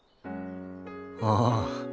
ああ！